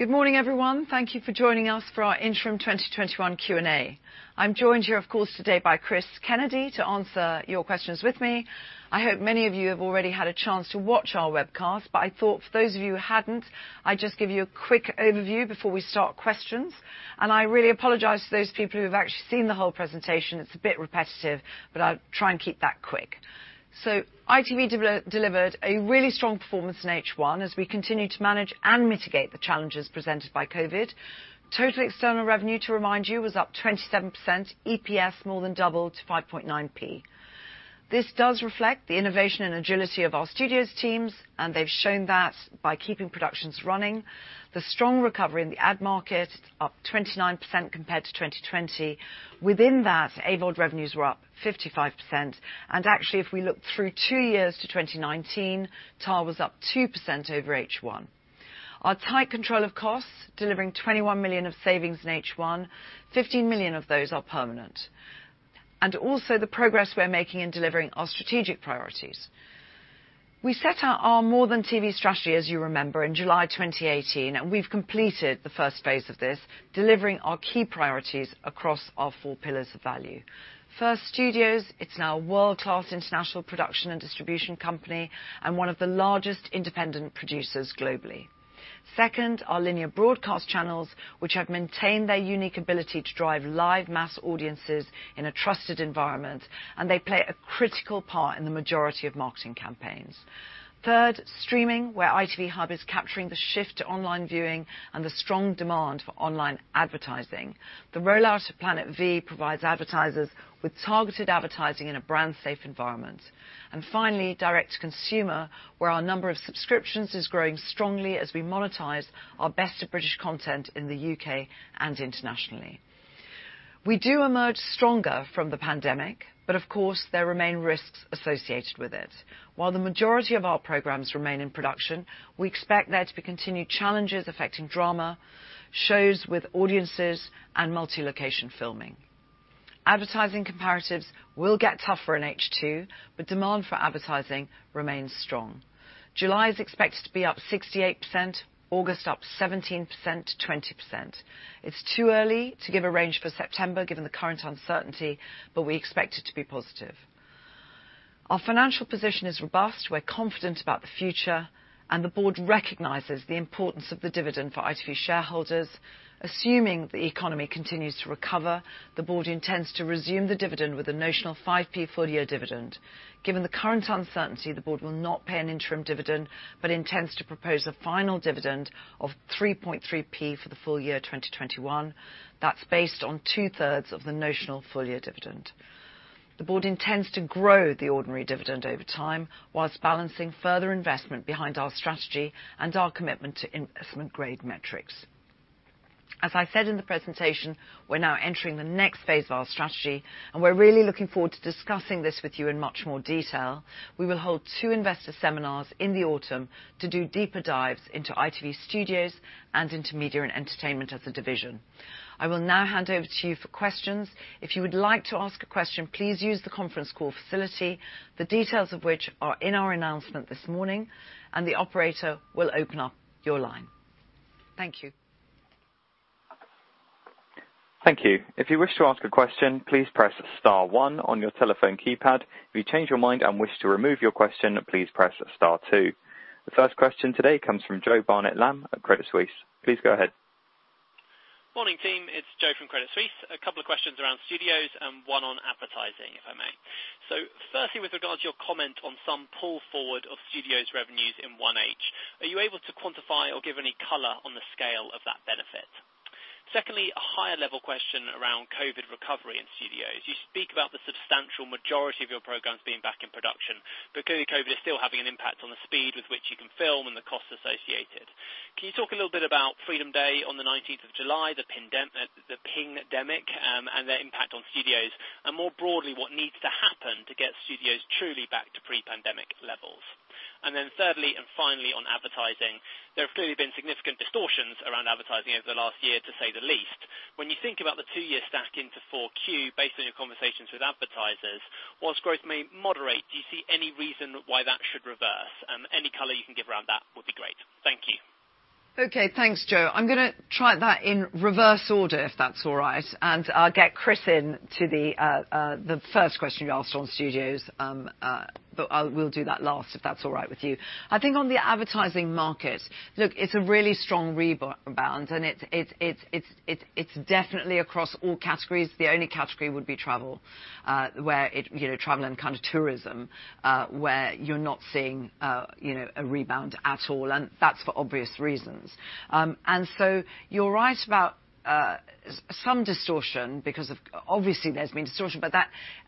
Good morning, everyone. Thank you for joining us for our interim 2021 Q&A. I'm joined here, of course, today by Chris Kennedy to answer your questions with me. I hope many of you have already had a chance to watch our webcast, I thought for those of you who hadn't, I'd just give you a quick overview before we start questions. I really apologize to those people who have actually seen the whole presentation. It's a bit repetitive, but I'll try and keep that quick. ITV delivered a really strong performance in H1 as we continue to manage and mitigate the challenges presented by COVID. Total external revenue, to remind you, was up 27%, EPS more than double to 0.059. This does reflect the innovation and agility of our studios teams, they've shown that by keeping productions running. The strong recovery in the ad market up 29% compared to 2020. Within that, AVOD revenues were up 55%. Actually, if we look through two years to 2019, TAR was up 2% over H1. Our tight control of costs, delivering 21 million of savings in H1, 15 million of those are permanent. Also the progress we're making in delivering our strategic priorities. We set out our More than TV strategy, as you remember, in July 2018, and we've completed the first phase of this, delivering our key priorities across our four pillars of value. First, ITV Studios, it's now a world-class international production and distribution company and one of the largest independent producers globally. Second, our linear broadcast channels, which have maintained their unique ability to drive live mass audiences in a trusted environment, and they play a critical part in the majority of marketing campaigns. Third, streaming, where ITV Hub is capturing the shift to online viewing and the strong demand for online advertising. The rollout of Planet V provides advertisers with targeted advertising in a brand safe environment. Finally, direct to consumer, where our number of subscriptions is growing strongly as we monetize our best of British content in the U.K. and internationally. We do emerge stronger from the pandemic, but of course, there remain risks associated with it. While the majority of our programs remain in production, we expect there to be continued challenges affecting drama, shows with audiences, and multi-location filming. Advertising comparatives will get tougher in H2, but demand for advertising remains strong. July is expected to be up 68%, August up 17%-20%. It's too early to give a range for September given the current uncertainty, but we expect it to be positive. Our financial position is robust, we're confident about the future, and the board recognizes the importance of the dividend for ITV shareholders. Assuming the economy continues to recover, the board intends to resume the dividend with a notional 0.05 full-year dividend. Given the current uncertainty, the board will not pay an interim dividend, but intends to propose a final dividend of 0.033 for the full year 2021. That's based on two-thirds of the notional full-year dividend. The board intends to grow the ordinary dividend over time whilst balancing further investment behind our strategy and our commitment to investment grade metrics. As I said in the presentation, we're now entering the next phase of our strategy, and we're really looking forward to discussing this with you in much more detail. We will hold two investor seminars in the autumn to do deeper dives into ITV Studios and into media and entertainment as a division. I will now hand over to you for questions. If you would like to ask a question, please use the conference call facility, the details of which are in our announcement this morning, and the operator will open up your line. Thank you. Thank you. If you wish to ask a question, please press star 1 on your telephone keypad. If you change your mind and wish to remove your question, please press star 2. The first question today comes from Joe Barnet-Lamb at Credit Suisse. Please go ahead. Morning, team. It's Joe from Credit Suisse. A couple of questions around studios and one on advertising, if I may. Firstly, with regards to your comment on some pull forward of studios revenues in H1, are you able to quantify or give any color on the scale of that benefit? Secondly, a higher level question around COVID recovery in studios. You speak about the substantial majority of your programs being back in production, but clearly COVID is still having an impact on the speed with which you can film and the costs associated. Can you talk a little bit about Freedom Day on the 19th of July, the pingdemic, and their impact on studios? More broadly, what needs to happen to get studios truly back to pre-pandemic levels? Thirdly, and finally, on advertising, there have clearly been significant distortions around advertising over the last year, to say the least. When you think about the two-year stack into 4Q based on your conversations with advertisers, while growth may moderate, do you see any reason why that should reverse? Any color you can give around that would be great. Thank you. Okay. Thanks, Joe. I'm going to try that in reverse order, if that's all right. I'll get Chris in to the first question you asked on ITV Studios, but we'll do that last, if that's all right with you. I think on the advertising market, look, it's a really strong rebound, and it's definitely across all categories. The only category would be travel and kind of tourism, where you're not seeing a rebound at all. That's for obvious reasons. You're right about some distortion because obviously there's been distortion, but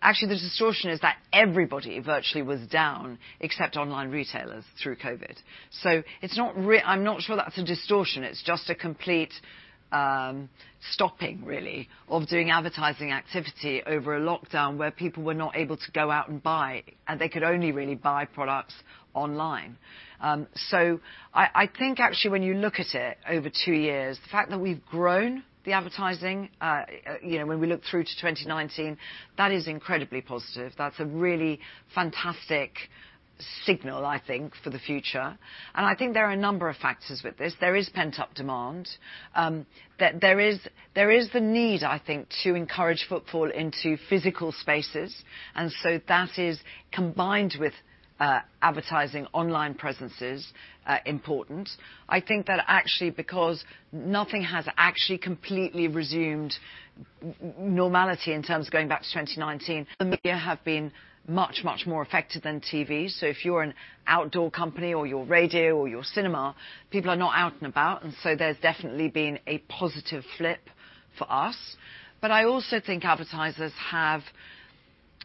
actually the distortion is that everybody virtually was down except online retailers through COVID. I'm not sure that's a distortion. It's just a complete stopping, really, of doing advertising activity over a lockdown where people were not able to go out and buy, and they could only really buy products online. I think actually when you look at it over two years, the fact that we've grown the advertising, when we look through to 2019, that is incredibly positive. That's a really fantastic signal, I think, for the future, and I think there are a number of factors with this. There is pent-up demand. There is the need, I think, to encourage footfall into physical spaces, and so that is, combined with advertising online presence, is important. I think that actually because nothing has actually completely resumed normality in terms of going back to 2019, the media have been much, much more affected than TV. If you're an outdoor company or you're radio or you're cinema, people are not out and about, and so there's definitely been a positive flip for us. I also think advertisers have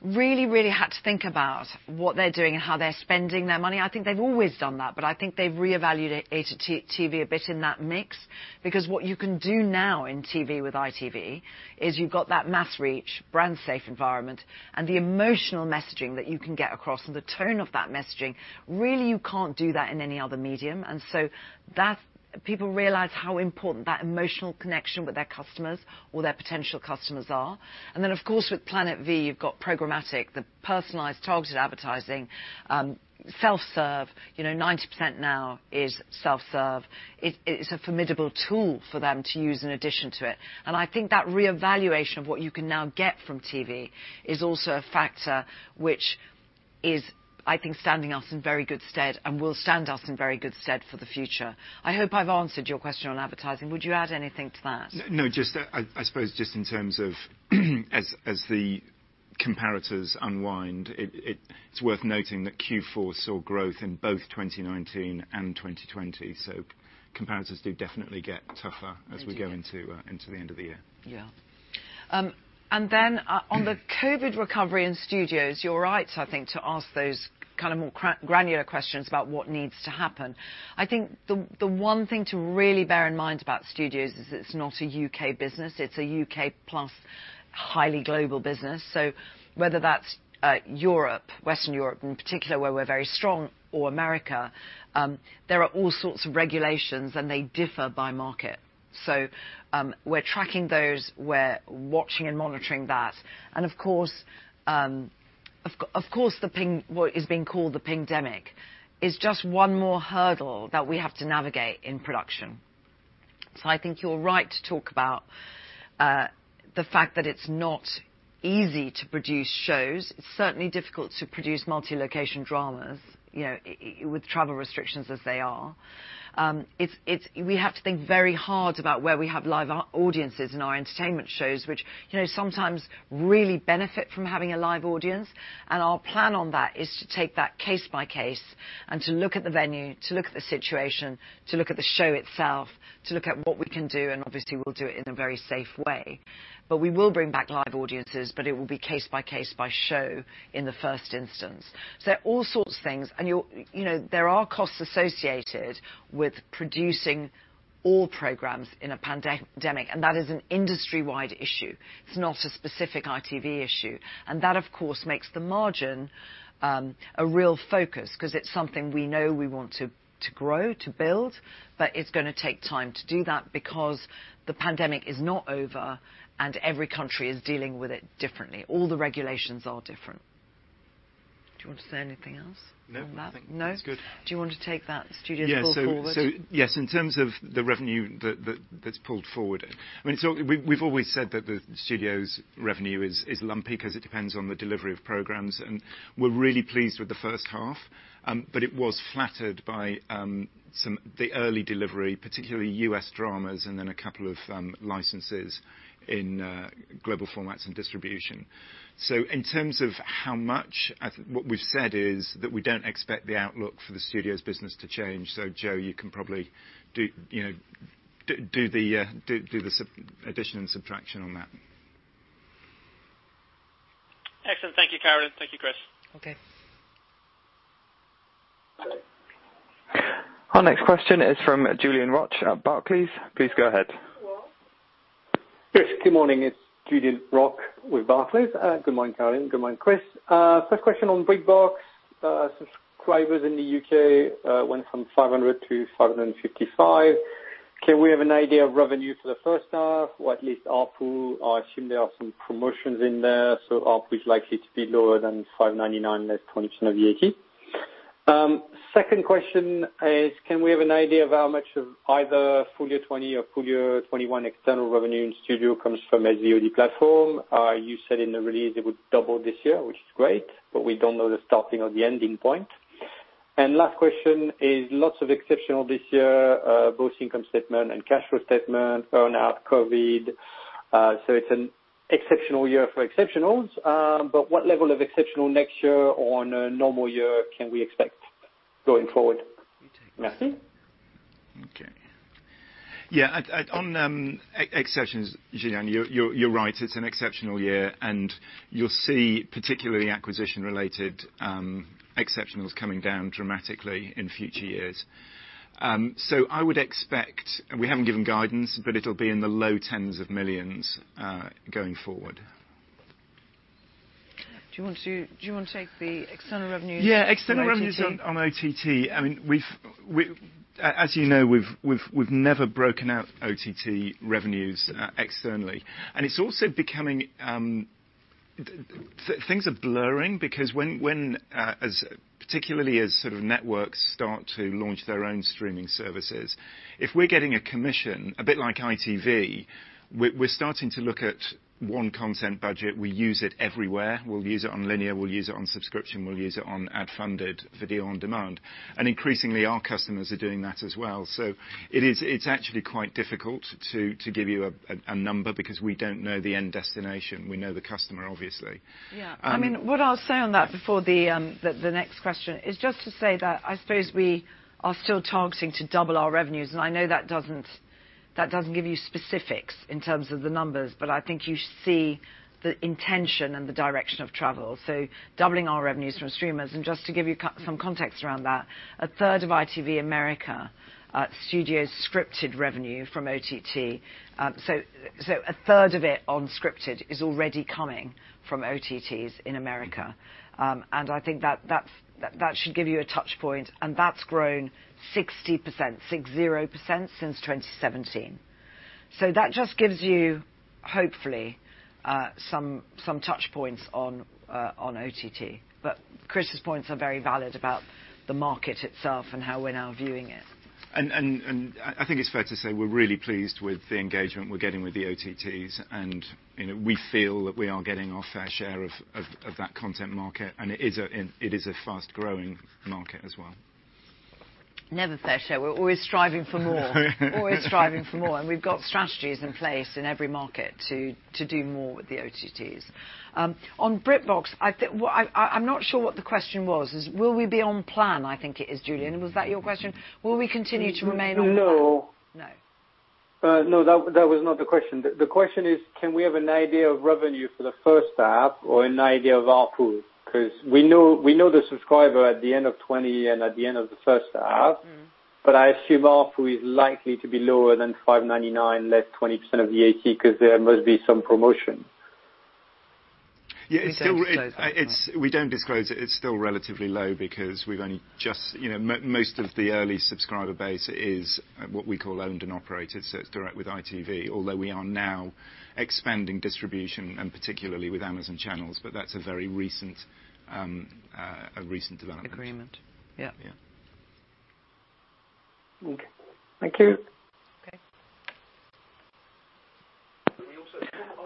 really, really had to think about what they're doing and how they're spending their money. I think they've always done that, but I think they've reevaluated TV a bit in that mix. What you can do now in TV with ITV is you've got that mass reach, brand safe environment, and the emotional messaging that you can get across and the tone of that messaging, really, you can't do that in any other medium. People realize how important that emotional connection with their customers or their potential customers are. Then of course, with Planet V, you've got programmatic, the personalized targeted advertising, self-serve, 90% now is self-serve. It's a formidable tool for them to use in addition to it. I think that reevaluation of what you can now get from TV is also a factor, which is, I think, standing us in very good stead and will stand us in very good stead for the future. I hope I've answered your question on advertising. Would you add anything to that? No, I suppose just in terms of as the comparators unwind, it's worth noting that Q4 saw growth in both 2019 and 2020. Comparators do definitely get tougher. Thank you. As we go into the end of the year. Yeah. On the COVID recovery in studios, you're right to ask those more granular questions about what needs to happen. I think the one thing to really bear in mind about studios is it's not a U.K. business. It's a U.K. plus highly global business. Whether that's Europe, Western Europe in particular, where we're very strong, or America, there are all sorts of regulations, and they differ by market. We're tracking those. We're watching and monitoring that, and of course, what is being called the pingdemic is just one more hurdle that we have to navigate in production. I think you're right to talk about the fact that it's not easy to produce shows. It's certainly difficult to produce multi-location dramas with travel restrictions as they are. We have to think very hard about where we have live audiences in our entertainment shows, which sometimes really benefit from having a live audience. Our plan on that is to take that case by case and to look at the venue, to look at the situation, to look at the show itself, to look at what we can do, and obviously we'll do it in a very safe way. We will bring back live audiences, but it will be case by case by show in the first instance. All sorts of things, and there are costs associated with producing all programs in a pandemic, and that is an industry-wide issue. It's not a specific ITV issue. That, of course, makes the margin a real focus because it's something we know we want to grow, to build, but it's going to take time to do that because the pandemic is not over, and every country is dealing with it differently. All the regulations are different. Do you want to say anything else on that? No, I think that's good. No? Do you want to take that studio pull forward? Yes. In terms of the revenue that is pulled forward, we have always said that the Studios' revenue is lumpy because it depends on the delivery of programs, and we are really pleased with the first half. It was flattered by the early delivery, particularly U.S. dramas and then a couple of licenses in global formats and distribution. In terms of how much, what we have said is that we do not expect the outlook for the Studios business to change. Joe, you can probably do the addition and subtraction on that. Excellent. Thank you, Carolyn McCall. Thank you, Chris. Okay. Our next question is from Julien Roch at Barclays. Please go ahead. Chris, good morning. It's Julien Roch with Barclays. Good morning, Carolyn. Good morning, Chris. First question on BritBox. Subscribers in the U.K. went from 500 to 555. Can we have an idea of revenue for the first half, or at least ARPU? I assume there are some promotions in there, so ARPU is likely to be lower than 5.99, net 20% of the App Store take. Second question is, can we have an idea of how much of either full year 2020 or full year 2021 external revenue in studio comes from the VOD platform? You said in the release it would double this year, which is great, we don't know the starting or the ending point. Last question is, lots of exceptional this year, both income statement and cash flow statement, burnout, COVID. It's an exceptional year for exceptionals, but what level of exceptional next year on a normal year can we expect going forward? You take this. Merci. Okay. Yeah, on exceptionals, Julien, you are right. It is an exceptional year, and you will see particularly acquisition-related exceptionals coming down dramatically in future years. I would expect, and we haven't given guidance, but it will be in the low tens of millions going forward. Do you want to take the external revenue for OTT? Yeah, external revenues on OTT, as you know, we've never broken out OTT revenues externally, and it's also becoming. Things are blurring because particularly as networks start to launch their own streaming services, if we're getting a commission, a bit like ITV, we're starting to look at one content budget. We use it everywhere. We'll use it on linear, we'll use it on subscription, we'll use it on ad-funded video on demand. Increasingly, our customers are doing that as well. It's actually quite difficult to give you a number because we don't know the end destination. We know the customer, obviously. What I'll say on that before the next question is just to say that I suppose we are still targeting to double our revenues, and I know that doesn't give you specifics in terms of the numbers, but I think you see the intention and the direction of travel. Doubling our revenues from streamers, and just to give you some context around that, a third of ITV Studios America scripted revenue from OTT. A third of it unscripted is already coming from OTTs in America. I think that should give you a touch point, and that's grown 60% since 2017. That just gives you, hopefully, some touch points on OTT. Chris' points are very valid about the market itself and how we're now viewing it. I think it's fair to say we're really pleased with the engagement we're getting with the OTTs, and we feel that we are getting our fair share of that content market, and it is a fast-growing market as well. Never fair share. We're always striving for more. Always striving for more. We've got strategies in place in every market to do more with the OTTs. On BritBox, I'm not sure what the question was. Is will we be on plan, I think it is, Julien, was that your question? Will we continue to remain on plan? No. No. No, that was not the question. The question is, can we have an idea of revenue for the first half or an idea of ARPU? Because we know the subscriber at the end of 2020 and at the end of the first half. I assume ARPU is likely to be lower than 5.99, less 20% of the App Store take because there must be some promotion. We don't disclose that, no. We don't disclose it. It's still relatively low because most of the early subscriber base is what we call owned and operated, so it's direct with ITV, although we are now expanding distribution and particularly with Amazon channels. That's a very recent development. Agreement. Yeah. Yeah. Okay. Thank you.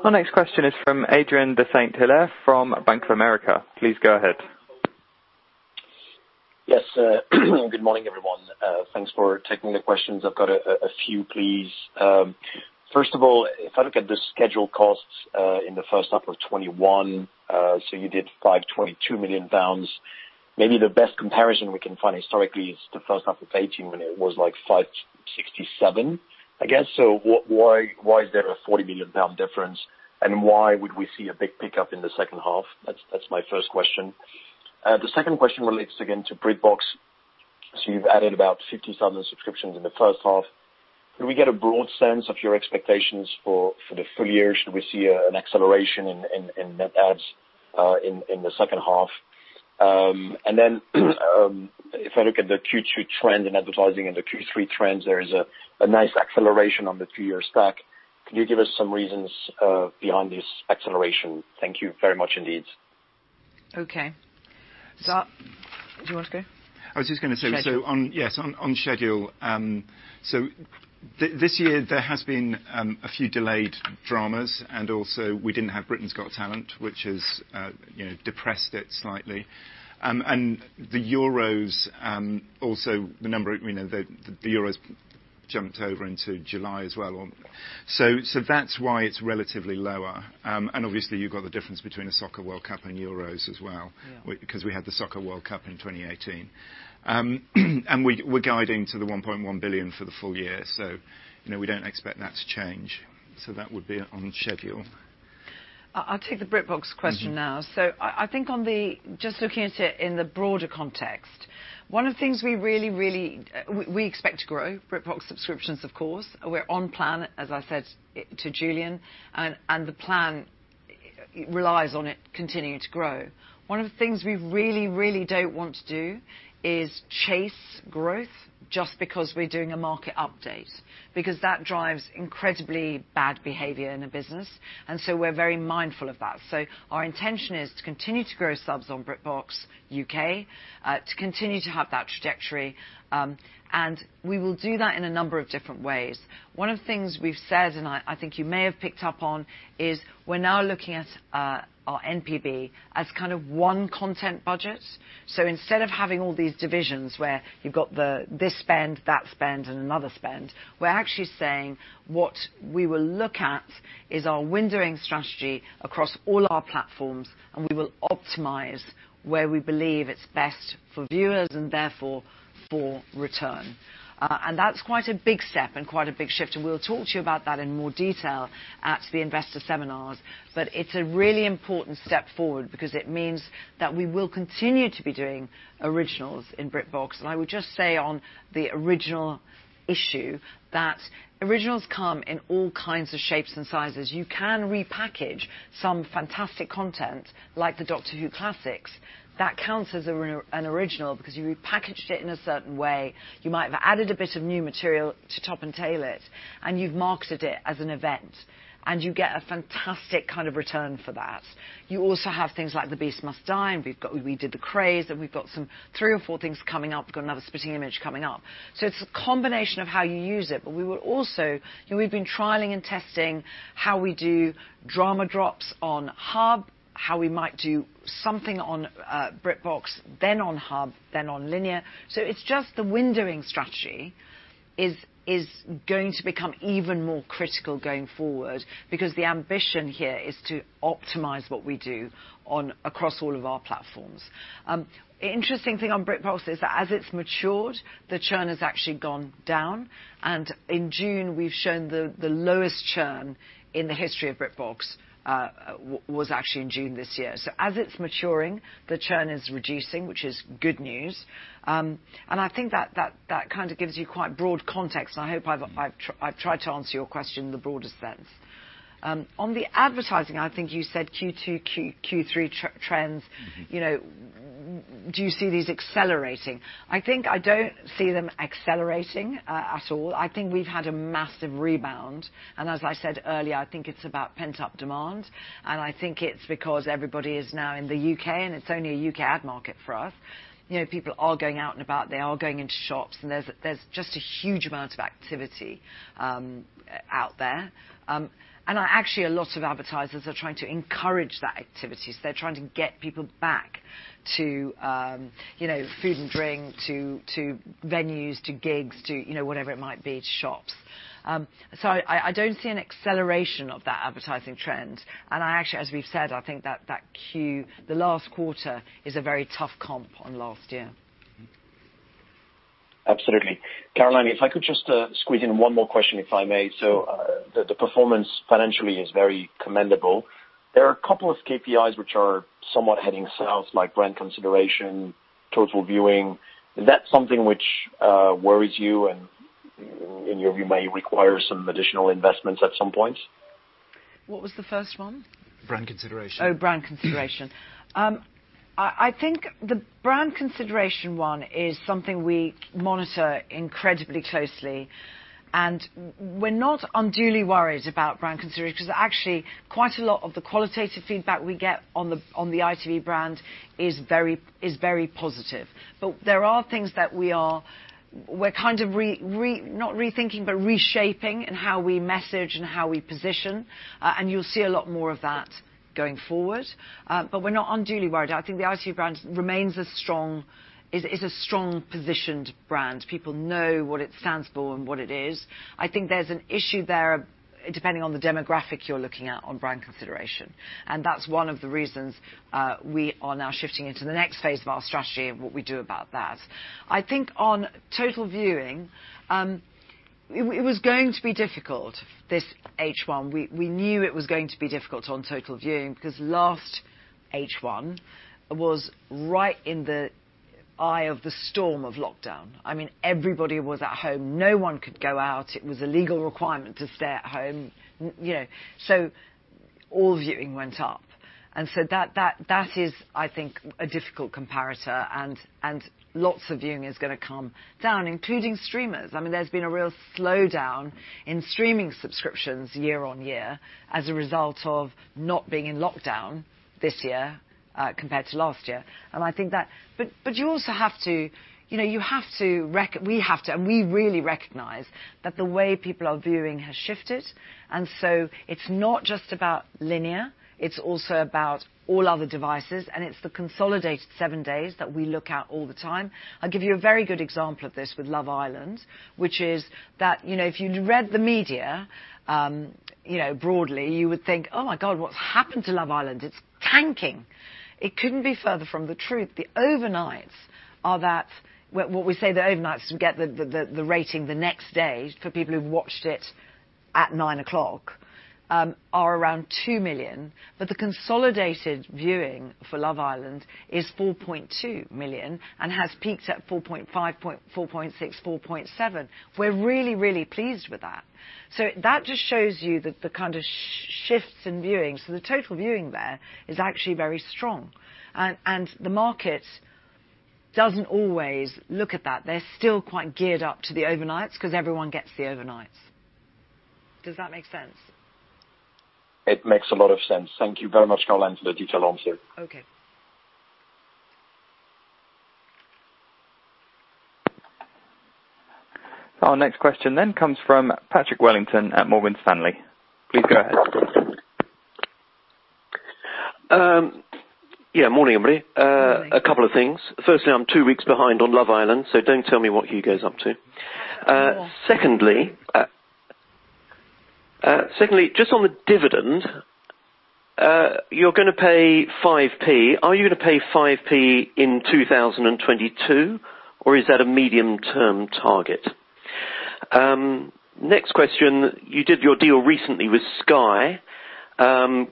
Okay. Our next question is from Adrien de Saint Hilaire from Bank of America. Please go ahead. Yes. Good morning, everyone. Thanks for taking the questions. I've got a few, please. First of all, if I look at the scheduled costs in the first half of 2021, you did 522 million pounds. Maybe the best comparison we can find historically is the first half of 2018 when it was like 567 million, I guess. Why is there a 40 million pound difference, and why would we see a big pickup in the second half? That's my first question. The second question relates again to BritBox. You've added about 50,000 subscriptions in the first half. Can we get a broad sense of your expectations for the full year? Should we see an acceleration in net adds in the second half? If I look at the Q2 trend in advertising and the Q3 trends, there is a nice acceleration on the two-year stack. Could you give us some reasons beyond this acceleration? Thank you very much indeed. Okay. Zap, do you want to go? I was just going to say. Schedule Yes, on schedule. This year there has been a few delayed dramas, and also we didn't have "Britain's Got Talent," which has depressed it slightly. The Euros jumped over into July as well. That's why it's relatively lower. Obviously you've got the difference between a Soccer World Cup and Euros as well. Yeah. We had the Soccer World Cup in 2018. We're guiding to the 1.1 billion for the full year. We don't expect that to change. That would be on schedule. I'll take the BritBox question now. I think just looking at it in the broader context, one of the things we expect to grow, BritBox subscriptions, of course. We're on plan, as I said to Julien, and the plan relies on it continuing to grow. One of the things we really, really don't want to do is chase growth just because we're doing a market update, because that drives incredibly bad behavior in a business, and so we're very mindful of that. Our intention is to continue to grow subs on BritBox U.K., to continue to have that trajectory, and we will do that in a number of different ways. One of the things we've said, and I think you may have picked up on, is we're now looking at our NPB as one content budget. Instead of having all these divisions where you've got this spend, that spend, and another spend, we're actually saying what we will look at is our windowing strategy across all our platforms, and we will optimize where we believe it's best for viewers and therefore for return. That's quite a big step and quite a big shift, and we'll talk to you about that in more detail at the investor seminars. It's a really important step forward because it means that we will continue to be doing originals in BritBox. I would just say on the original issue, that originals come in all kinds of shapes and sizes. You can repackage some fantastic content like the "Doctor Who" classics. That counts as an original because you repackaged it in a certain way. You might have added a bit of new material to top and tail it, and you've marketed it as an event, and you get a fantastic return for that. You also have things like "The Beast Must Die," and we did "The Craze," and we've got some three or four things coming up. We've got another "Spitting Image" coming up. It's a combination of how you use it. We've been trialing and testing how we do drama drops on Hub, how we might do something on BritBox, then on Hub, then on linear. It's just the windowing strategy is going to become even more critical going forward because the ambition here is to optimize what we do across all of our platforms. Interesting thing on BritBox is that as it's matured, the churn has actually gone down, and in June we've shown the lowest churn in the history of BritBox, was actually in June this year. As it's maturing, the churn is reducing, which is good news. I think that kind of gives you quite broad context, and I hope I've tried to answer your question in the broadest sense. On the advertising, I think you said Q2, Q3 trends. Do you see these accelerating? I think I don't see them accelerating at all. I think we've had a massive rebound, and as I said earlier, I think it's about pent-up demand. I think it's because everybody is now in the U.K., and it's only a U.K. ad market for us. People are going out and about, they are going into shops, and there's just a huge amount of activity out there. Actually, a lot of advertisers are trying to encourage that activity. They're trying to get people back to food and drink, to venues, to gigs, to whatever it might be, to shops. I don't see an acceleration of that advertising trend. I actually, as we've said, I think that that Q, the last quarter is a very tough comp on last year. Absolutely. Carolyn, if I could just squeeze in one more question, if I may. The performance financially is very commendable. There are couple of KPIs which are somewhat heading south, like brand consideration, total viewing. Is that something which worries you and in your view may require some additional investments at some point? What was the first one? Brand consideration. Oh, brand consideration. I think the brand consideration one is something we monitor incredibly closely. We're not unduly worried about brand consideration because actually quite a lot of the qualitative feedback we get on the ITV brand is very positive. There are things that we're kind of, not rethinking, but reshaping in how we message and how we position. You'll see a lot more of that going forward. We're not unduly worried. I think the ITV brand remains a strong positioned brand. People know what it stands for and what it is. I think there's an issue there, depending on the demographic you're looking at on brand consideration. That's one of the reasons we are now shifting into the next phase of our strategy and what we do about that. I think on total viewing, it was going to be difficult, this H1. We knew it was going to be difficult on total viewing because last H1 was right in the eye of the storm of lockdown. Everybody was at home. No one could go out. It was a legal requirement to stay at home. All viewing went up. That is, I think, a difficult comparator, and lots of viewing is going to come down, including streamers. There's been a real slowdown in streaming subscriptions year-on-year as a result of not being in lockdown this year compared to last year. We have to, and we really recognize that the way people are viewing has shifted. It's not just about linear, it's also about all other devices, and it's the consolidated seven days that we look at all the time. I'll give you a very good example of this with "Love Island," which is that if you read the media broadly, you would think, "Oh my God, what's happened to 'Love Island?' It's tanking." It couldn't be further from the truth. The overnights are that, what we say the overnights get the rating the next day for people who've watched it at 9:00, are around two million. The consolidated viewing for "Love Island" is 4.2 million and has peaked at 4.5, 4.6, 4.7. We're really pleased with that. That just shows you the kind of shifts in viewing. The total viewing there is actually very strong. The market doesn't always look at that. They're still quite geared up to the overnights because everyone gets the overnights. Does that make sense? It makes a lot of sense. Thank you very much, Carolyn, for the detail on it. Okay. Our next question comes from Patrick Wellington at Morgan Stanley. Please go ahead. Yeah. Morning, everybody. Morning. A couple of things. Firstly, I'm two weeks behind on Love Island, so don't tell me what he goes up to. No. Secondly, just on the dividend, you're going to pay 0.05. Are you going to pay 0.05 in 2022, or is that a medium-term target? Next question, you did your deal recently with Sky.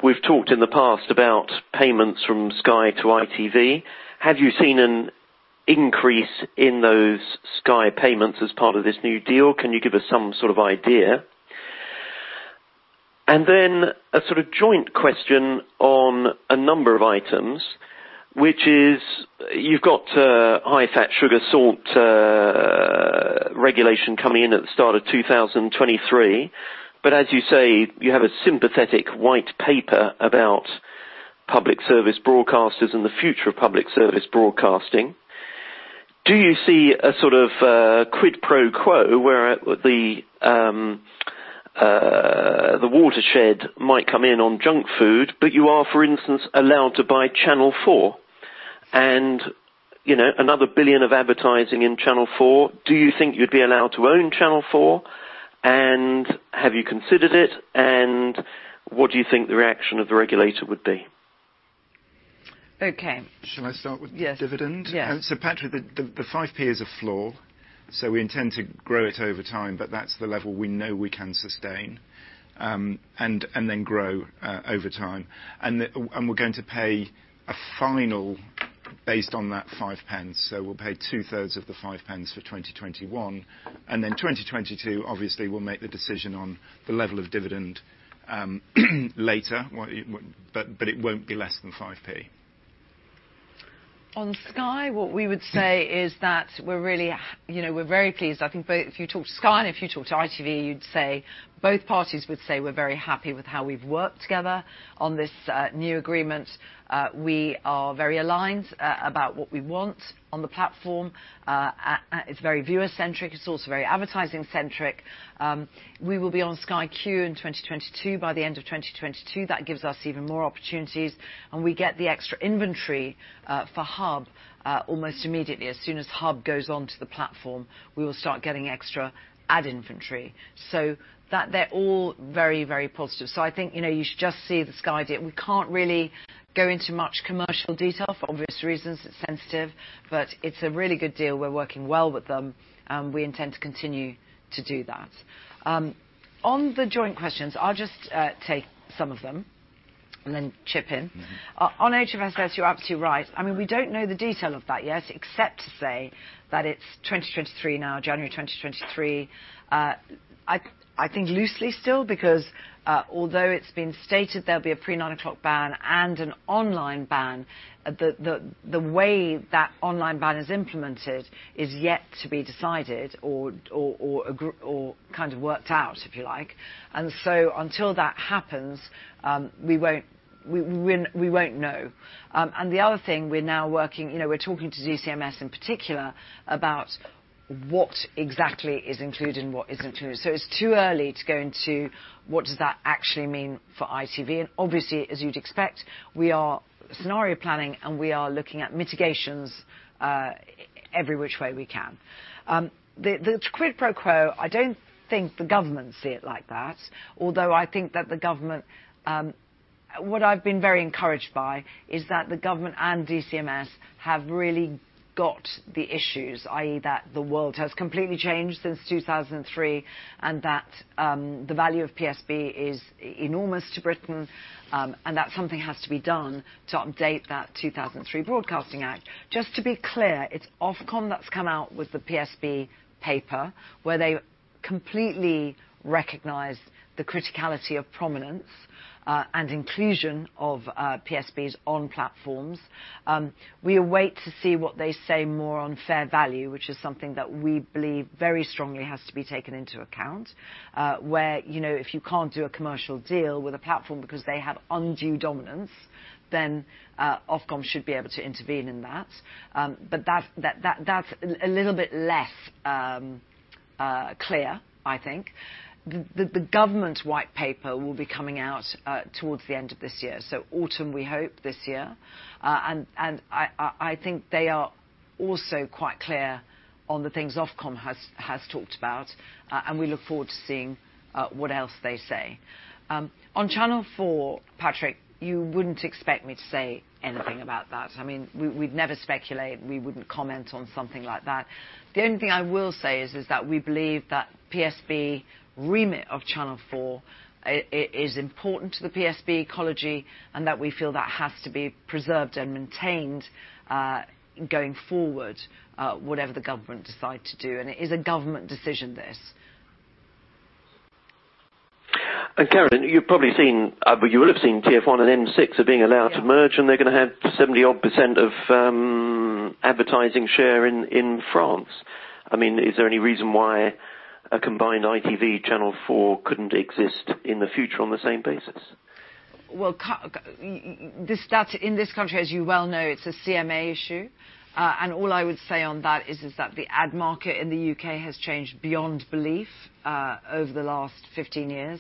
We've talked in the past about payments from Sky to ITV. Have you seen an increase in those Sky payments as part of this new deal? Can you give us some sort of idea? A sort of joint question on a number of items, which is you've got high fat, sugar, salt regulation coming in at the start of 2023. As you say, you have a sympathetic white paper about public service broadcasters and the future of public service broadcasting. Do you see a sort of quid pro quo where the watershed might come in on junk food, but you are, for instance, allowed to buy Channel 4 and another 1 billion of advertising in Channel 4? Do you think you'd be allowed to own Channel 4, and have you considered it, and what do you think the reaction of the regulator would be? Okay. Shall I start with? Yes dividend? Yes. Patrick, the 0.05 is a floor. We intend to grow it over time, but that's the level we know we can sustain, and then grow over time. We're going to pay a final based on that 0.05. We'll pay two-thirds of the 0.05 for 2021, and then 2022, obviously, we'll make the decision on the level of dividend later, but it won't be less than 0.05. On Sky, what we would say is that we're very pleased. I think if you talk to Sky and if you talk to ITV, both parties would say we're very happy with how we've worked together on this new agreement. We are very aligned about what we want on the platform. It's very viewer-centric. It's also very advertising-centric. We will be on Sky Q in 2022, by the end of 2022. That gives us even more opportunities, and we get the extra inventory for Hub almost immediately. As soon as Hub goes onto the platform, we will start getting extra ad inventory. They're all very positive. I think you should just see the Sky deal. We can't really go into much commercial detail for obvious reasons. It's sensitive, but it's a really good deal. We're working well with them. We intend to continue to do that. On the joint questions, I'll just take some of them and then chip in. On HFSS, you're absolutely right. We don't know the detail of that yet, except to say that it's 2023 now, January 2023. I think loosely still, because although it's been stated there'll be a pre-9:00 ban and an online ban, the way that online ban is implemented is yet to be decided or kind of worked out, if you like. Until that happens, we won't know. The other thing, we're talking to DCMS in particular about what exactly is included and what isn't included. It's too early to go into what does that actually mean for ITV. Obviously, as you'd expect, we are scenario planning, and we are looking at mitigations every which way we can. The quid pro quo, I don't think the government see it like that. What I've been very encouraged by is that the government and DCMS have really got the issues, i.e., that the world has completely changed since 2003 and that the value of PSB is enormous to Britain, and that something has to be done to update that 2003 Broadcasting Act. Just to be clear, it's Ofcom that's come out with the PSB paper, where they completely recognize the criticality of prominence and inclusion of PSBs on platforms. We await to see what they say more on fair value, which is something that we believe very strongly has to be taken into account, where if you can't do a commercial deal with a platform because they have undue dominance, Ofcom should be able to intervene in that. That's a little bit less clear, I think. The government's white paper will be coming out towards the end of this year. Autumn, we hope, this year. I think they are also quite clear on the things Ofcom has talked about, and we look forward to seeing what else they say. On Channel 4, Patrick, you wouldn't expect me to say anything about that. We'd never speculate, and we wouldn't comment on something like that. The only thing I will say is that we believe that PSB remit of Channel 4 is important to the PSB ecology, and that we feel that has to be preserved and maintained going forward, whatever the government decide to do. It is a government decision, this. Carolyn, you will have seen TF1 and M6 are being allowed to merge, and they're going to have 70-odd% of advertising share in France. Is there any reason why a combined ITV, Channel 4 couldn't exist in the future on the same basis? Well, in this country, as you well know, it's a CMA issue. All I would say on that is that the ad market in the U.K. has changed beyond belief over the last 15 years,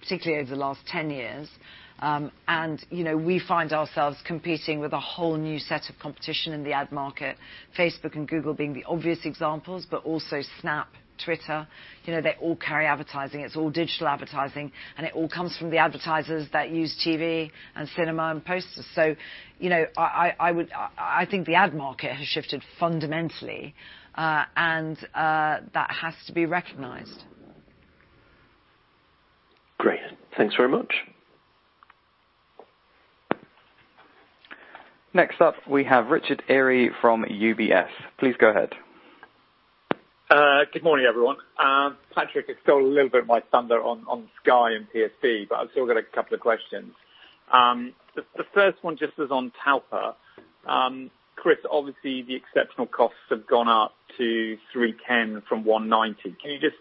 particularly over the last 10 years. We find ourselves competing with a whole new set of competition in the ad market, Facebook and Google being the obvious examples, but also Snap, Twitter. They all carry advertising. It's all digital advertising, and it all comes from the advertisers that use TV and cinema and posters. I think the ad market has shifted fundamentally, and that has to be recognized. Great. Thanks very much. Next up, we have Richard Eary from UBS. Please go ahead. Good morning, everyone. Patrick, you stole a little bit of my thunder on Sky and PSB. I've still got a couple of questions. The first one just is on Talpa. Chris, obviously the exceptional costs have gone up to 310 from 190. Can you just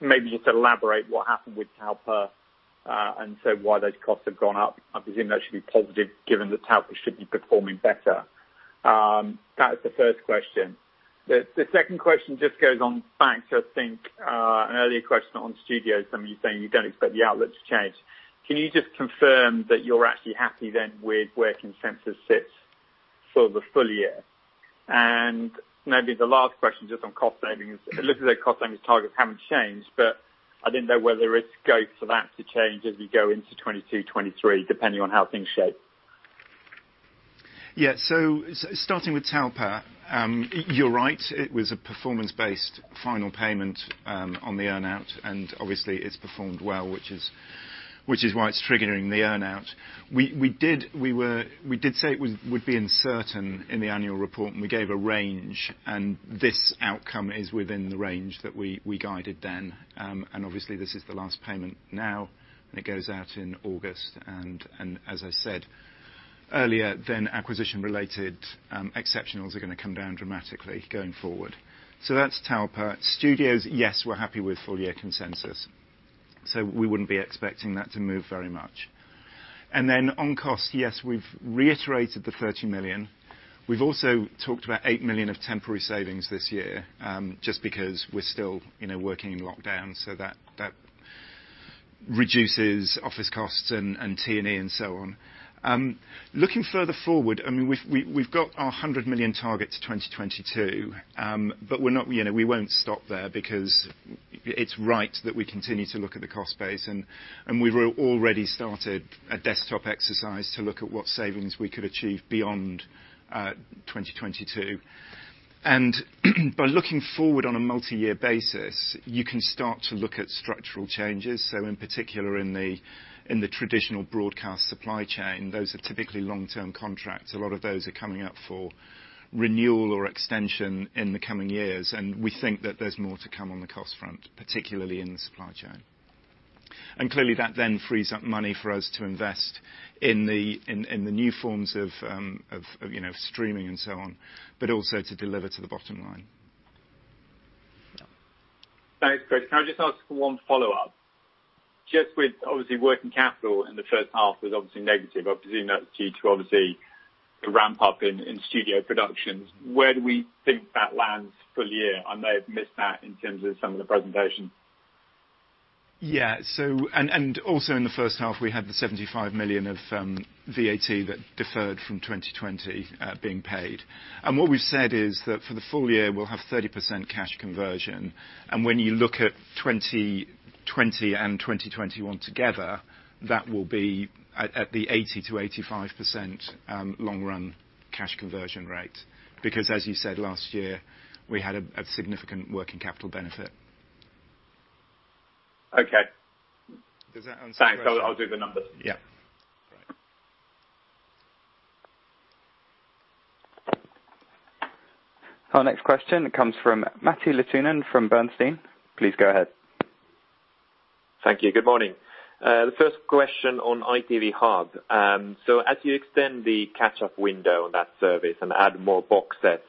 maybe just elaborate what happened with Talpa, why those costs have gone up? I presume that should be positive given that Talpa should be performing better. That is the first question. The second question just goes on back to, I think, an earlier question on studios, somebody saying you don't expect the outlet to change. Can you just confirm that you're actually happy then with where consensus sits for the full year? Maybe the last question just on cost savings. It looks like cost savings targets haven't changed. I didn't know whether it's scope for that to change as we go into 2022, 2023, depending on how things shape. Yeah. Starting with Talpa, you're right. It was a performance-based final payment on the earn-out, and obviously it's performed well, which is why it's triggering the earn-out. We did say it would be uncertain in the annual report, and we gave a range, and this outcome is within the range that we guided then. Obviously this is the last payment now, and it goes out in August. As I said earlier, then acquisition-related exceptionals are going to come down dramatically going forward. That's Talpa. Studios, yes, we're happy with full-year consensus. We wouldn't be expecting that to move very much. On cost, yes, we've reiterated the 30 million. We've also talked about 8 million of temporary savings this year, just because we're still working in lockdown. That reduces office costs and T&E and so on. Looking further forward, we've got our 100 million target to 2022. We won't stop there because it's right that we continue to look at the cost base, and we've already started a desktop exercise to look at what savings we could achieve beyond 2022. By looking forward on a multi-year basis, you can start to look at structural changes. In particular, in the traditional broadcast supply chain, those are typically long-term contracts. A lot of those are coming up for renewal or extension in the coming years, and we think that there's more to come on the cost front, particularly in the supply chain. Clearly that then frees up money for us to invest in the new forms of streaming and so on. Also to deliver to the bottom line. Thanks, Chris. Can I just ask for one follow-up? Just with, obviously, working capital in the first half was obviously negative. I presume that's due to, obviously, the ramp-up in studio productions. Where do we think that lands full-year? I may have missed that in terms of some of the presentation. Yeah. Also in the first half, we had the 75 million of VAT that deferred from 2020 being paid. What we've said is that for the full year, we'll have 30% cash conversion. When you look at 2020 and 2021 together, that will be at the 80%-85% long run cash conversion rate. As you said, last year, we had a significant working capital benefit. Okay. Does that answer the question? Thanks. I'll do the numbers. Yeah. Great. Our next question comes from Matti Littunen from Bernstein. Please go ahead. Thank you. Good morning. The first question on ITV Hub. As you extend the catch-up window on that service and add more box sets,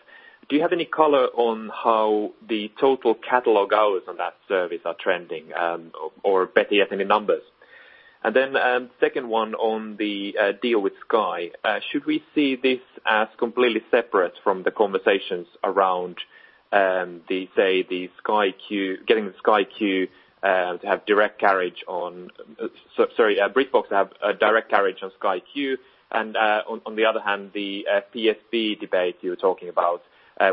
do you have any color on how the total catalog hours on that service are trending? Betty has any numbers? Second one on the deal with Sky. Should we see this as completely separate from the conversations around getting BritBox to have a direct carriage on Sky Q? On the other hand, the PSB debate you were talking about,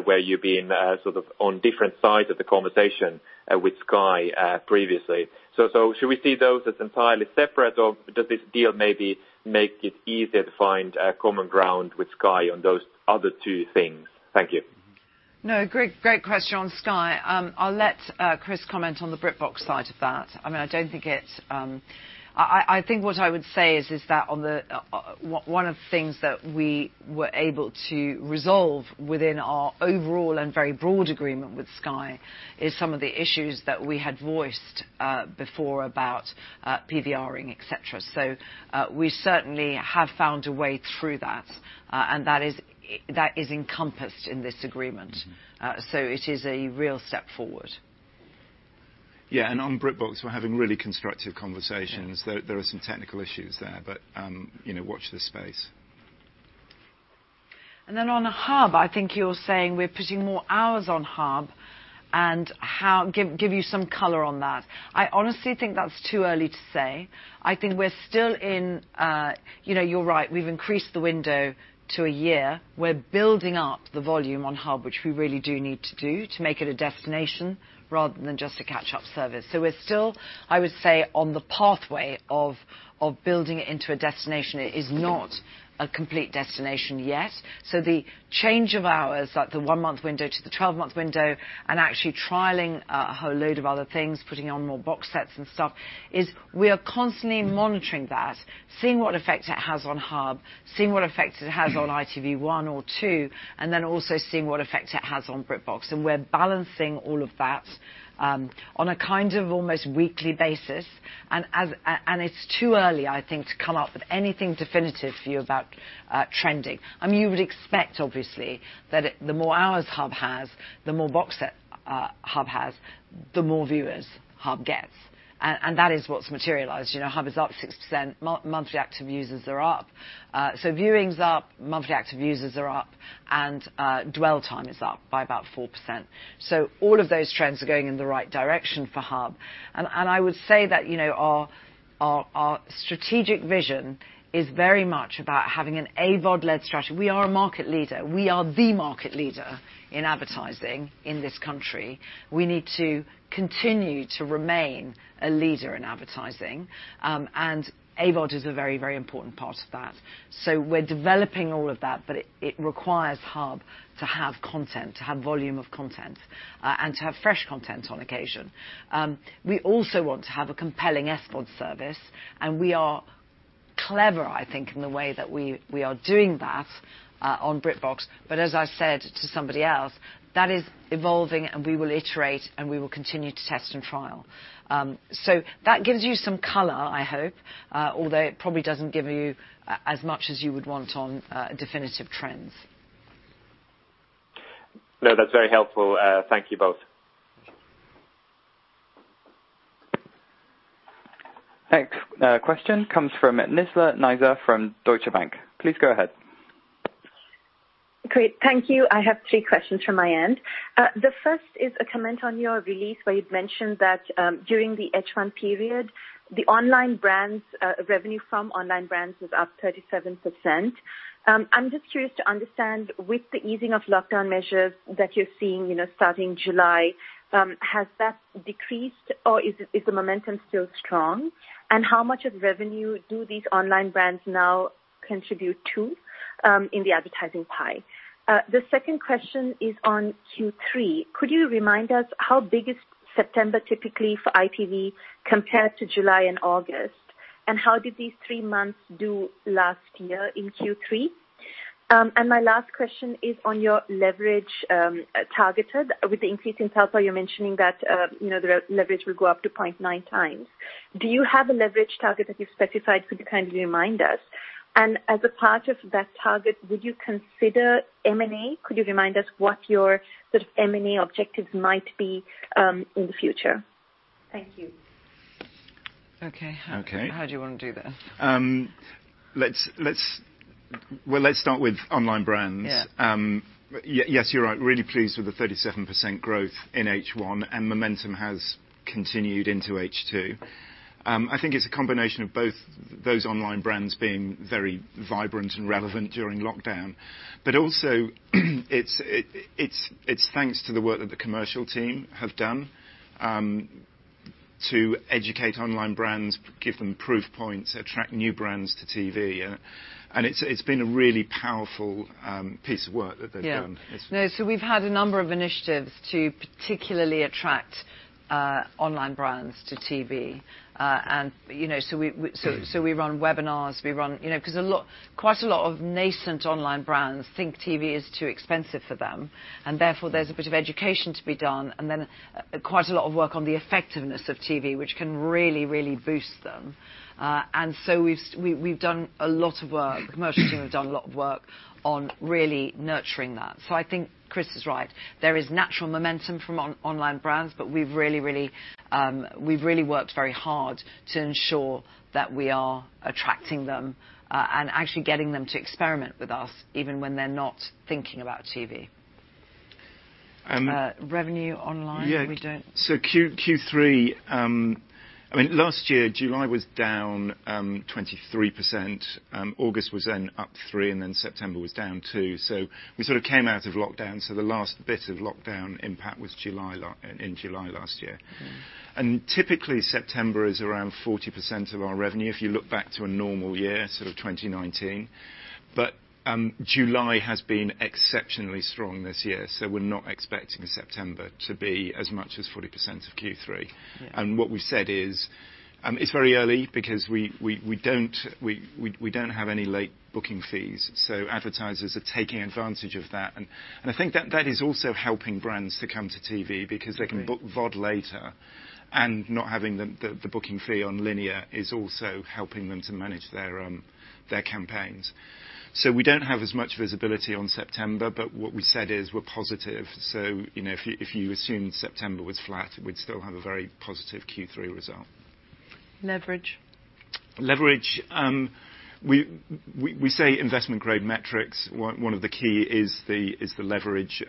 where you've been sort of on different sides of the conversation with Sky previously. Should we see those as entirely separate or does this deal maybe make it easier to find common ground with Sky on those other two things? Thank you. Great question on Sky. I'll let Chris comment on the BritBox side of that. I think what I would say is that one of the things that we were able to resolve within our overall and very broad agreement with Sky is some of the issues that we had voiced before about PVRing, et cetera. We certainly have found a way through that, and that is encompassed in this agreement. It is a real step forward. Yeah. On BritBox, we're having really constructive conversations. There are some technical issues there, but watch this space. On Hub, I think you're saying we're putting more hours on Hub and give you some color on that. I honestly think that's too early to say. You're right, we've increased the window to 1 year. We're building up the volume on Hub, which we really do need to do to make it a destination rather than just a catch-up service. We're still, I would say, on the pathway of building it into a destination. It is not a complete destination yet. The change of hours, like the one-month window to the 12-month window, and actually trialing a whole load of other things, putting on more box sets and stuff is we are constantly monitoring that, seeing what effect it has on Hub, seeing what effect it has on ITV1 or two, and then also seeing what effect it has on BritBox. We're balancing all of that on a kind of almost weekly basis. It's too early, I think, to come up with anything definitive for you about trending. You would expect, obviously, that the more hours Hub has, the more box set Hub has, the more viewers Hub gets. That is what's materialized. Hub is up 6%, monthly active users are up. Viewing's up, monthly active users are up, and dwell time is up by about 4%. All of those trends are going in the right direction for Hub. I would say that our strategic vision is very much about having an AVOD-led strategy. We are a market leader. We are the market leader in advertising in this country. We need to continue to remain a leader in advertising. AVOD is a very important part of that. We're developing all of that, but it requires Hub to have volume of content, and to have fresh content on occasion. We also want to have a compelling SVOD service, and we are clever, I think, in the way that we are doing that on BritBox. As I said to somebody else, that is evolving and we will iterate, and we will continue to test and trial. That gives you some color, I hope, although it probably doesn't give you as much as you would want on definitive trends. No, that's very helpful. Thank you both. Next question comes from Nizla Naizer from Deutsche Bank. Please go ahead. Great. Thank you. I have three questions from my end. The first is a comment on your release where you've mentioned that during the H1 period, the revenue from online brands was up 37%. I'm just curious to understand, with the easing of lockdown measures that you're seeing starting July, has that decreased or is the momentum still strong? How much of revenue do these online brands now contribute to in the advertising pie? The second question is on Q3. Could you remind us how big is September typically for ITV compared to July and August? How did these three months do last year in Q3? My last question is on your leverage, targeted. With the increase in Talpa, you're mentioning that the leverage will go up to 0.9 times. Do you have a leverage target that you've specified? Could you kindly remind us? As a part of that target, would you consider M&A? Could you remind us what your sort of M&A objectives might be in the future? Thank you. Okay. Okay. How do you want to do this? Let's start with online brands. Yeah. Yes, you're right. Really pleased with the 37% growth in H1, and momentum has continued into H2. I think it's a combination of both those online brands being very vibrant and relevant during lockdown, but also it's thanks to the work that the commercial team have done, to educate online brands, give them proof points, attract new brands to TV. It's been a really powerful piece of work that they've done. We've had a number of initiatives to particularly attract online brands to TV. We run webinars, because quite a lot of nascent online brands think TV is too expensive for them, and therefore, there's a bit of education to be done, and then quite a lot of work on the effectiveness of TV, which can really, really boost them. We've done a lot of work. The commercial team have done a lot of work on really nurturing that. I think Chris is right. There is natural momentum from online brands, but we've really worked very hard to ensure that we are attracting them, and actually getting them to experiment with us even when they're not thinking about TV. Revenue online. Q3, last year, July was down 23%, August was up 3%, September was down 2%. We sort of came out of lockdown, so the last bit of lockdown impact was in July last year. Typically, September is around 40% of our revenue, if you look back to a normal year, sort of 2019. July has been exceptionally strong this year, we're not expecting September to be as much as 40% of Q3. Yeah. What we said is, it's very early because we don't have any late booking fees, so advertisers are taking advantage of that. I think that is also helping brands to come to TV because they can book VOD later, and not having the booking fee on linear is also helping them to manage their campaigns. We don't have as much visibility on September, but what we said is we're positive. If you assume September was flat, we'd still have a very positive Q3 result. Leverage? Leverage. We say investment grade metrics. One of the key is the leverage.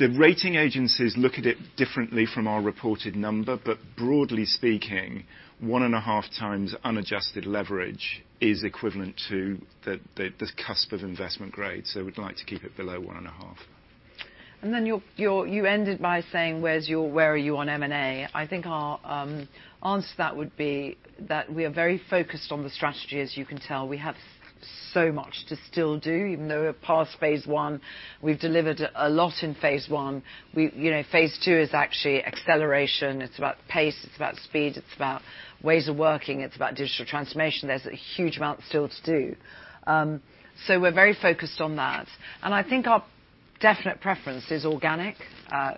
The rating agencies look at it differently from our reported number, but broadly speaking, one and a half times unadjusted leverage is equivalent to the cusp of investment grade. We'd like to keep it below one and a half. You ended by saying, where are you on M&A? I think our answer to that would be that we are very focused on the strategy, as you can tell. We have so much to still do, even though we're past Phase I. We've delivered a lot in Phase I. Phase II is actually acceleration. It's about pace, it's about speed, it's about ways of working, it's about digital transformation. There's a huge amount still to do. We're very focused on that. I think our definite preference is organic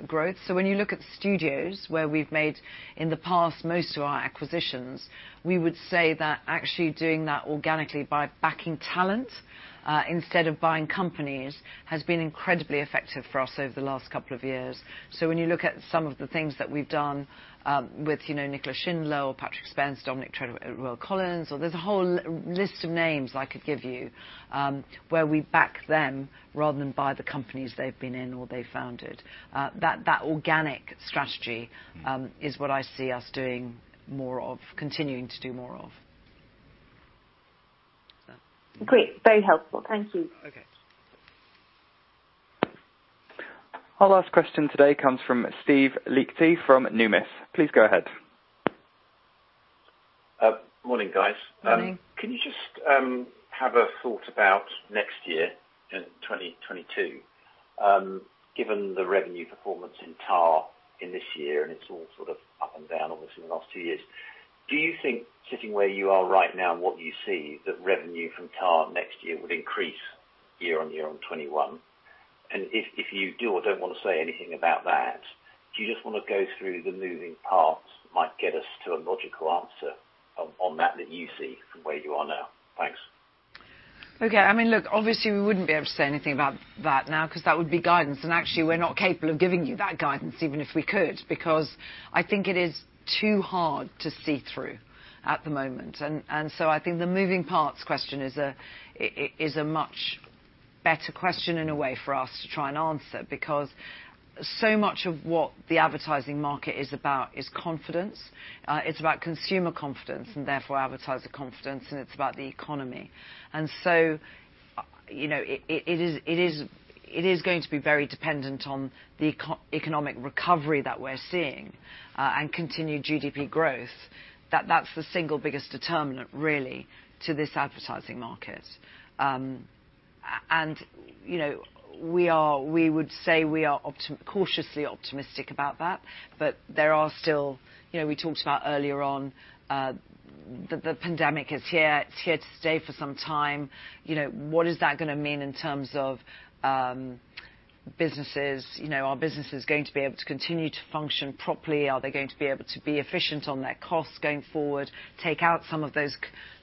growth. When you look at the studios where we've made, in the past, most of our acquisitions, we would say that actually doing that organically by backing talent instead of buying companies has been incredibly effective for us over the last couple of years. When you look at some of the things that we've done with Nicola Shindler or Patrick Spence, Dominic Treadwell-Collins, or there's a whole list of names I could give you, where we back them rather than buy the companies they've been in or they founded. That organic strategy is what I see us doing more of, continuing to do more of. Great. Very helpful. Thank you. Okay. Our last question today comes from Steve Liechti from Numis. Please go ahead. Morning, guys. Morning. Can you just have a thought about next year in 2022? Given the revenue performance in TAR in this year, and it's all sort of up and down, obviously, in the last two years. Do you think sitting where you are right now and what you see, that revenue from TAR next year would increase year on year on 2021? If you do or don't want to say anything about that, do you just want to go through the moving parts that might get us to a logical answer on that that you see from where you are now? Thanks. Okay. Look, obviously, we wouldn't be able to say anything about that now because that would be guidance, and actually we're not capable of giving you that guidance even if we could, because I think it is too hard to see through at the moment. I think the moving parts question is a much better question in a way for us to try and answer, because so much of what the advertising market is about is confidence. It's about consumer confidence, and therefore advertiser confidence, and it's about the economy. It is going to be very dependent on the economic recovery that we're seeing, and continued GDP growth. That's the single biggest determinant really, to this advertising market. We would say we are cautiously optimistic about that, but we talked about earlier on, the pandemic is here. It's here to stay for some time. What is that going to mean in terms of businesses? Are businesses going to be able to continue to function properly? Are they going to be able to be efficient on their costs going forward, take out some of those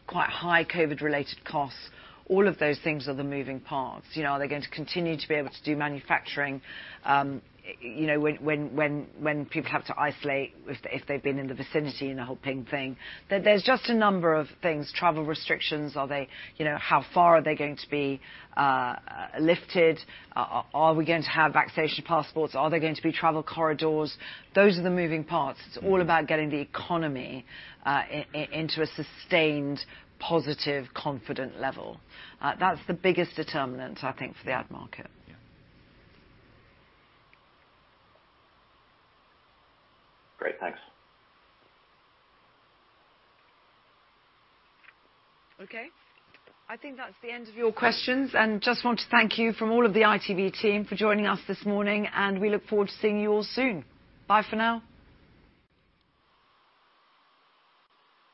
quite high COVID-related costs? All of those things are the moving parts. Are they going to continue to be able to do manufacturing when people have to isolate if they've been in the vicinity and the whole pingdemic? There's just a number of things. Travel restrictions, how far are they going to be lifted? Are we going to have vaccination passports? Are there going to be travel corridors? Those are the moving parts. It's all about getting the economy into a sustained, positive, confident level. That's the biggest determinant, I think, for the ad market. Yeah. Great. Thanks. Okay. I think that's the end of your questions. Just want to thank you from all of the ITV team for joining us this morning, and we look forward to seeing you all soon. Bye for now.